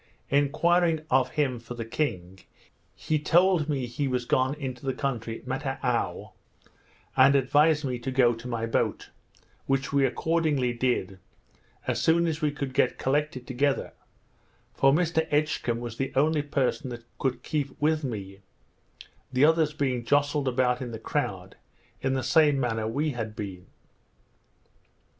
Enquiring of him for the king, he told me he was gone into the country Mataou, and advised me to go to my boat; which we accordingly did, as soon as we could get collected together; for Mr Edgcumbe was the only person that could keep with me, the others being jostled about in the crowd, in the same manner we had been.